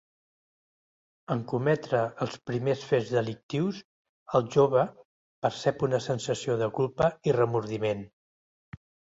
En cometre els primers fets delictius el jove percep una sensació de culpa i remordiment.